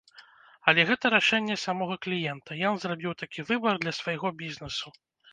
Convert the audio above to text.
Але гэта рашэнне самога кліента, ён зрабіў такі выбар для свайго бізнэсу.